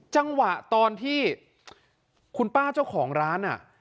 จังหวะตอนที่คุณป้าเจ้าของร้านน่ะ